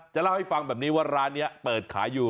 เล่าให้ฟังแบบนี้ว่าร้านนี้เปิดขายอยู่